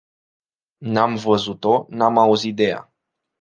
N-am văzut-o, n-am auzit de ea.